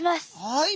はい。